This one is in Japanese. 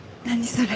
それ。